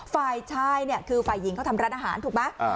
ฝ่ายชายเนี่ยคือฝ่ายหญิงเขาทำร้านอาหารถูกไหม